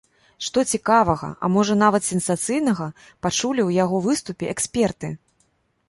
Што цікавага, а можа, нават сенсацыйнага пачулі ў яго выступе эксперты?